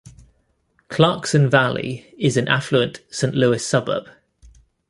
Clarkson Valley is an affluent Saint Louis suburb.